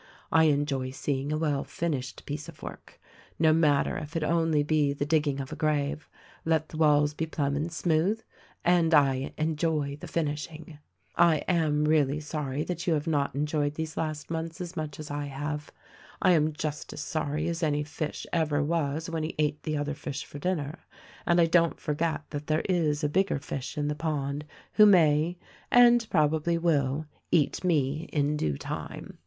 I enjoy seeing a well finished piece of work — no matter if it be only the dig ging of a grave, let the walls be plumb and smooth — and I enjoy the finishing. "I am really sorry that you have not enjoyed these last THE RECORDING ANGEL 201 months as much as I have. I am just as sorry as any fish ever was when he ate the other fish for dinner, and I don't forget that there is a bigger fish in the pond who may — and probably will — eat me, in due time.